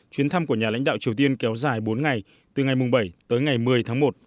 chuyến thăm của nhà lãnh đạo triều tiên kéo dài bốn ngày từ ngày bảy tới ngày một mươi tháng một